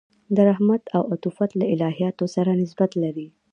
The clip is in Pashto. د رحمت او عطوفت له الهیاتو سره نسبت لري.